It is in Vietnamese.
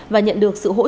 và nhận được sự hỗ trợ